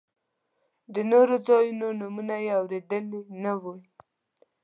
د نورو ځایونو نومونه یې اورېدلي نه وي.